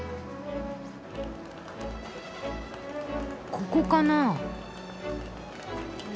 ここかな？